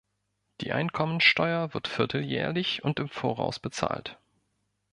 Die Einkommensteuer wird vierteljährlich und im Voraus bezahlt.